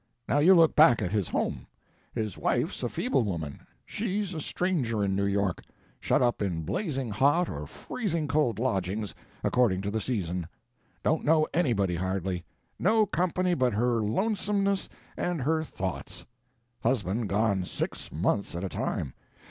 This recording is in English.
Now you look back at his home. His wife's a feeble woman; she's a stranger in New York; shut up in blazing hot or freezing cold lodgings, according to the season; don't know anybody hardly; no company but her lonesomeness and her thoughts; husband gone six months at a time.